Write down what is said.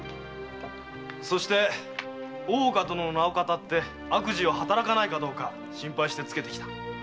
そして大岡殿の名を騙って悪事を働かないかどうか心配してつけてきた。